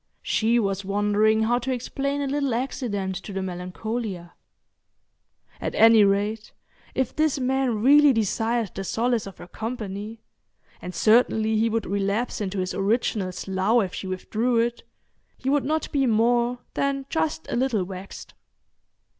She was wondering how to explain a little accident to the Melancolia. At any rate, if this man really desired the solace of her company—and certainly he would relapse into his original slough if she withdrew it—he would not be more than just a little vexed.